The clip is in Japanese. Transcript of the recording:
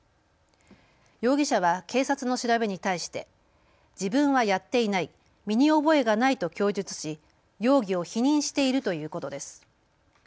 容疑者は警察の調べに対して自分はやっていない身に覚えがないと供述し容疑を否認しているということです。